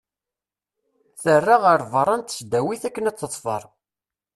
Terra ɣer berra n tesdawit akken ad tefḍer.